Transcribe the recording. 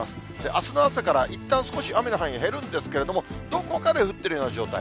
あすの朝から、いったん少し雨の範囲減るんですけれども、どこかで降ってるような状態。